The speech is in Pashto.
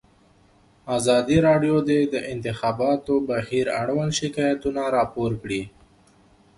ازادي راډیو د د انتخاباتو بهیر اړوند شکایتونه راپور کړي.